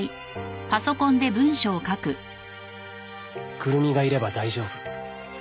「くるみがいれば大丈夫」